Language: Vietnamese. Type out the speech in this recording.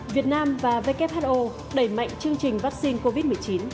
việt nam và who đẩy mạnh chương trình vaccine covid một mươi chín